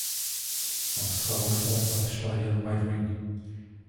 Austragungsort war das Stadion White Ring.